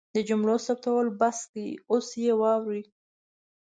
د جملو ثبتول بس کړئ اوس یې واورئ